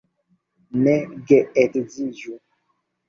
Ne geedziĝu.